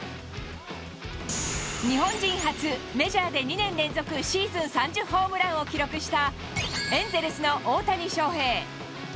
日本人初、メジャーで２年連続シーズン３０ホームランを記録した、エンゼルスの大谷翔平。